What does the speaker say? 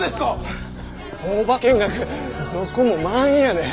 工場見学どこも満員やねん。